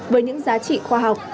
với những giá trị khoa học